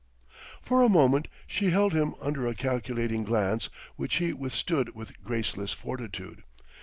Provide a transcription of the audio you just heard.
For a moment she held him under a calculating glance which he withstood with graceless fortitude.